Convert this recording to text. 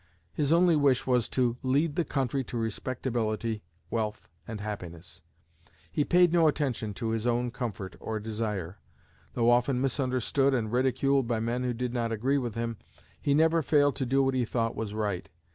His only wish was to "lead the country to respectability, wealth and happiness." He paid no attention to his own comfort or desire. Though often misunderstood and ridiculed by men who did not agree with him, he never failed to do what he thought was right.